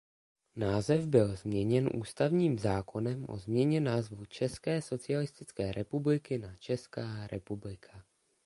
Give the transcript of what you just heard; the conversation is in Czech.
Název byl změněn ústavním zákonem o změně názvu České socialistické republiky na "Česká republika".